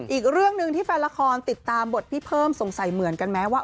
อีกเรื่องหนึ่งที่แฟนละครติดตามบทพี่เพิ่มสงสัยเหมือนกันไหมว่า